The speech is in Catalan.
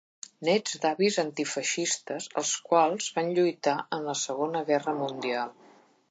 Net d'avis antifeixistes, els quals van lluitar en la Segona Guerra Mundial.